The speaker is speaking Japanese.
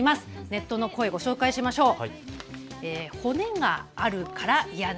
ネットの声をご紹介しましょう。